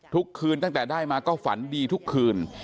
ทุกคืนตั้งแต่ได้มาก็ฝันดีทุกคืน